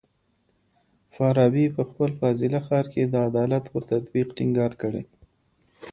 فارابي په خپل فاضله ښار کي د عدالت پر تطبيق ټينګار کړی.